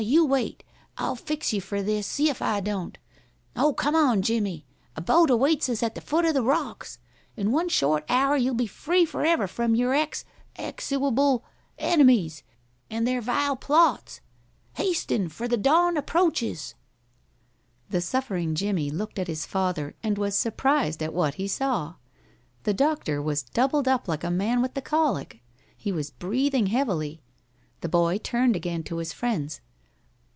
You wait. I'll fix you for this, see if I don't! Oh, come on, Jimmie. A boat awaits us at the foot of the rocks. In one short hour you'll be free forever from your ex exewable enemies, and their vile plots. Hasten, for the dawn approaches." [Illustration: "THEY WHIRLED AND SCAMPERED AWAY LIKE DEER"] The suffering Jimmie looked at his father, and was surprised at what he saw. The doctor was doubled up like a man with the colic. He was breathing heavily. The boy turned again to his friends.